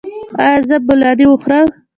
ایا زه بولاني وخورم؟